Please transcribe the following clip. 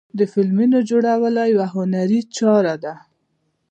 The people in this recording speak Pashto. د فلمونو جوړونه یوه هنري چاره ده.